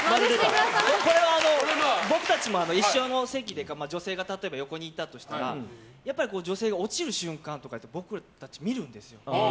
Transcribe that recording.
これは僕たちも一緒の席で例えば、女性が横にいたとしたらやっぱり女性が落ちる瞬間とか僕たち、見るんですよ。